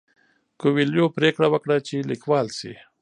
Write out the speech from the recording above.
کویلیو پریکړه وکړه چې لیکوال شي.